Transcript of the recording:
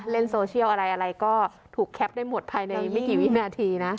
เล่นโซเชียลอะไรอะไรก็ถูกแคปได้หมดภายในไม่กี่วินาทีนะ